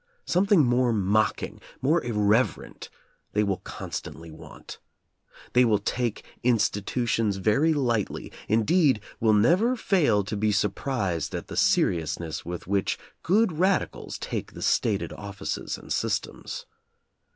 Something more mocking, more irreverent, they will constantly want. They will take institutions very lightly, indeed will never fail to be surprised at the seriousness with which good radicals take the stated offices and sys tems.